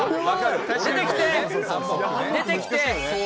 出てきて。